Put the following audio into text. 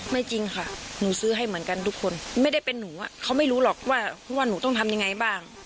จริงค่ะหนูซื้อให้เหมือนกันทุกคนไม่ได้เป็นหนูอ่ะเขาไม่รู้หรอกว่าหนูต้องทำยังไงบ้าง